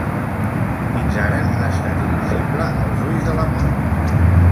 Fins ara ha estat invisible als ulls de l'amor.